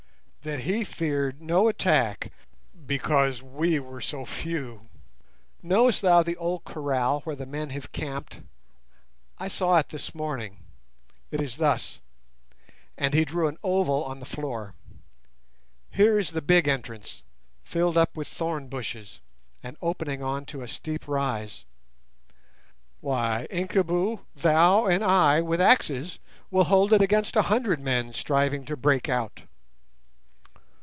That he feared no attack because we were so few. Knowest thou the old kraal where the men have camped? I saw it this morning; it is thus:" and he drew an oval on the floor; "here is the big entrance, filled up with thorn bushes, and opening on to a steep rise. Why, Incubu, thou and I with axes will hold it against an hundred men striving to break out!